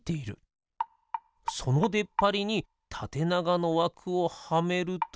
そのでっぱりにたてながのわくをはめると。